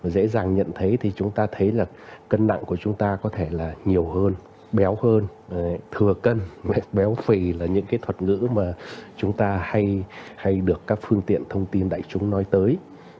dễ dàng nhận thấy thì chúng ta thấy là cân nặng của chúng ta có thể là nhiều hơn béo hơn thừa cân mạch béo phì là những cái thuật ngữ mà chúng ta hay được các phương tiện thông tin đại chúng nói tới